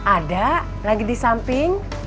ada lagi di samping